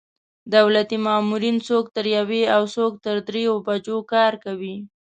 دولتي مامورین څوک تر یوې او څوک تر درېیو بجو کار کوي.